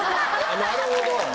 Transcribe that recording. なるほど。